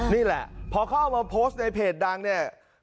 พอเขาเอามาโพสต์ในเพจดังเนี่ย